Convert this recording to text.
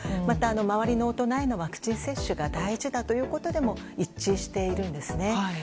また周りの大人へのワクチン接種が大事だということでも一致しているんですね。